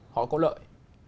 họ có lợi